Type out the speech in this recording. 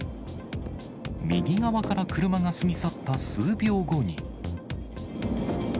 右側から車が過ぎ去った数秒後に。